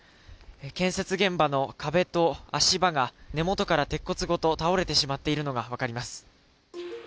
建設現場の壁と足場が根元から基礎ごと倒れてしまっているのが分かります。